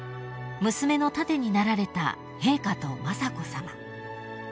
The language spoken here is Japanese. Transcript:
［娘の盾になられた陛下と雅子さま］